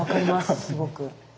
すごく。